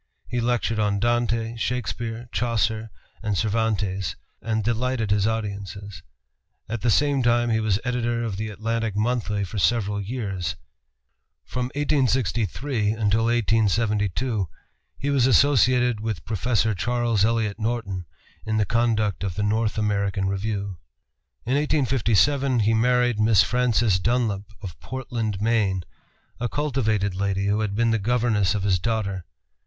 He lectured on Dante, Shakespeare, Chaucer, and Cervantes, and delighted his audiences. At the same time he was editor of the Atlantic Monthly for several years. From 1863 until 1872 he was associated with Professor Charles Eliot Norton in the conduct of the North American Review. In 1857 he married Miss Frances Dunlap of Portland, Me., a cultivated lady who had been the governess of his daughter.